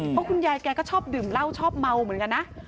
เพราะคุณยายแกก็ชอบดื่มเหล้าชอบเมาเหมือนกันนะ